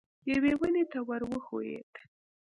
یوې ونې ته ور وښوېد.